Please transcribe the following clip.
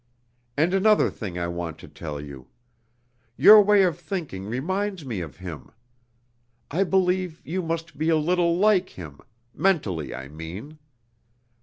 And another thing I want to tell you. Your way of thinking reminds me of him. I believe you must be a little like him mentally, I mean.